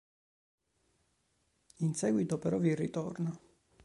In seguito però vi ritorna.